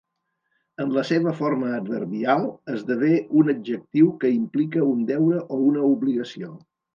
En la seva forma adverbial esdevé un adjectiu que implica un deure o una obligació.